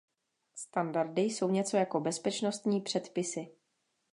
Standardy jsou něco jako bezpečnostní předpisy.